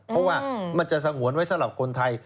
เพราะว่ามันจะสงวนไว้สำหรับคนไทย